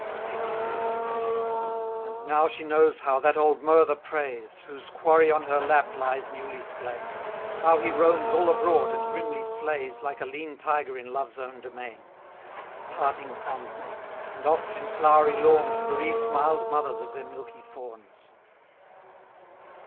LXXX. And now she knows how that old Murther preys, Whose quarry on her lap lies newly slain: How he roams all abroad and grimly slays, Like a lean tiger in Love's own domain; Parting fond mates, and oft in flowery lawns Bereaves mild mothers of their milky fawns.